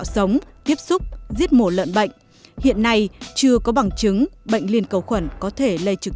sống tiếp xúc giết mổ lợn bệnh hiện nay chưa có bằng chứng bệnh liên cầu khuẩn có thể lây trực